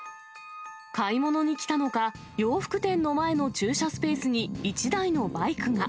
買い物に来たのか、洋服店の前の駐車スペースに一台のバイクが。